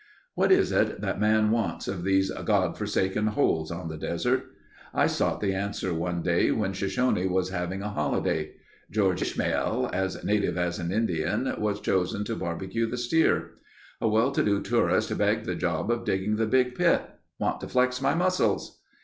What is it that man wants of these "God forsaken holes" on the desert? I sought the answer one day when Shoshone was having a holiday. George Ishmael, as native as an Indian, was chosen to barbecue the steer. A well to do tourist begged the job of digging the big pit. "Want to flex my muscles...."